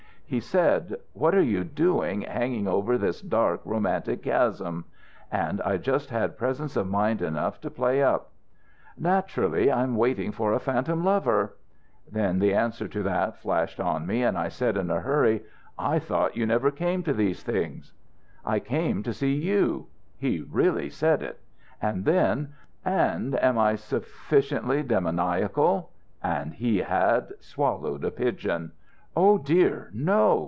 "He said, 'What are you doing, hanging over this dark, romantic chasm?' And I just had presence of mind enough to play up. "'Naturally, I'm waiting for a phantom lover.' Then the answer to that flashed on me and I said in a hurry, 'I thought you never came to these things.' "'I came to see you' he really said it and then, 'And am I sufficiently demoniacal?' And he had swallowed a pigeon. "'Oh dear, no!'